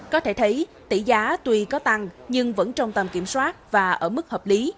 có thể thấy tỷ giá tuy có tăng nhưng vẫn trong tầm kiểm soát và ở mức hợp lý